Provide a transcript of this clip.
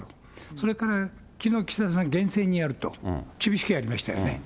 それからきのう岸田さん、厳正にやると、厳しくやりましたよね。